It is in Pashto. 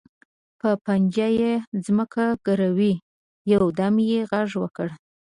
په پنجه یې ځمکه ګروي، یو دم یې غږ وکړ.